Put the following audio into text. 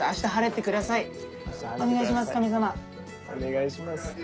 お願いします。